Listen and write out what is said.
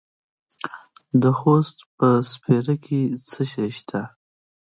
د خوست په سپیره کې څه شی شته؟